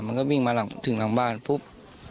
มันก็วิ่งมาถึงหลังบ้านปุ๊บ